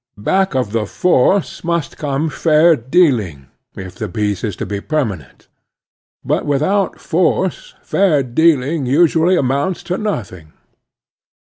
Back of the force must come fair dealing, if the peace is to be permanent. But without force fair dealing usu ally amotmts to nothing.